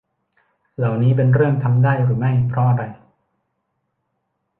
เหล่านี้เป็นเรื่องทำได้หรือไม่ เพราะอะไร